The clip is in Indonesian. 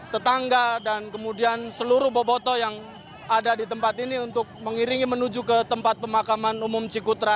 tetangga dan kemudian seluruh boboto yang ada di tempat ini untuk mengiringi menuju ke tempat pemakaman umum cikutra